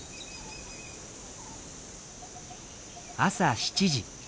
朝７時。